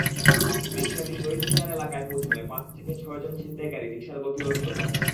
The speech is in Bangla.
রিকশাটি শহীদ মিনার এলাকায় পৌঁছালে পাঁচ থেকে ছয়জন ছিনতাইকারী রিকশার গতিরোধ করে।